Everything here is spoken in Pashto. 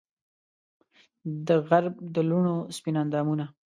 دغرب د لوڼو سپین اندامونه